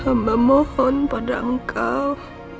hamba mohon pada engkau